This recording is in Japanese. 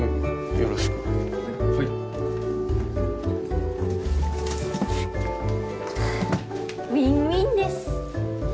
よろしくはいウィンウィンです